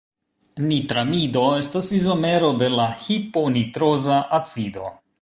Nitramido estas izomero de la hiponitroza acido.